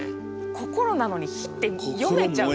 心なのに火って読めちゃう。